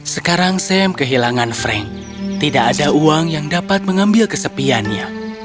sekarang sam kehilangan frank tidak ada uang yang dapat mengambil kesepiannya